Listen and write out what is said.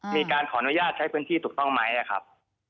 มีการขออนุญาตใช้พื้นที่ถูกต้องไหมครับ